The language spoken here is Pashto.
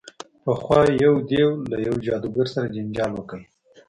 پخوا یو دیو له یوه جادوګر سره جنجال وکړ.